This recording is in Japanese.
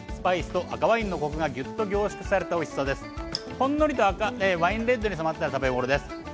ほんのりとワインレッドに染まったら食べごろです。